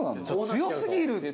強すぎる。